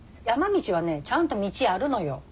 山道はねちゃんと道あるのよ。